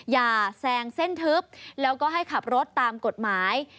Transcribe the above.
แซงเส้นทึบแล้วก็ให้ขับรถตามกฎหมาย